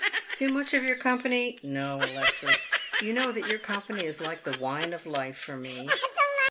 " Too much of your company — no, Alexis. You know that your company is like the wine of life for me."